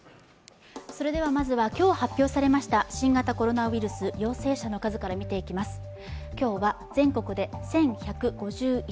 まずは今日発表されました新型コロナウイルス、陽性者の数から見ていきます。